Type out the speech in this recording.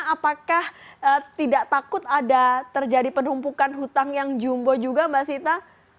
apakah tidak takut ada terjadi penumpukan hutang yang jumbo juga mbak sita